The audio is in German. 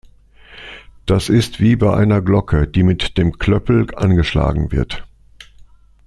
Das ist wie bei einer Glocke, die mit dem Klöppel angeschlagen wird.